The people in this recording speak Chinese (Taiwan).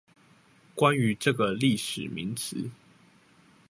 關於這個歷史名詞